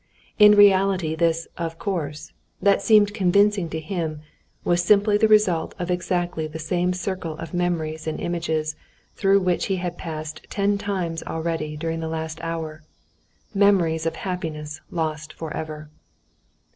In reality this "of course," that seemed convincing to him, was simply the result of exactly the same circle of memories and images through which he had passed ten times already during the last hour—memories of happiness lost forever.